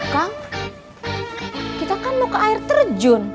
kang kita kan mau ke air terjun